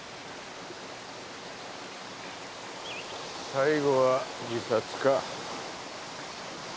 最後は自殺か。